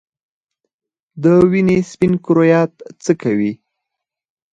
د وینې سپین کرویات څه کوي؟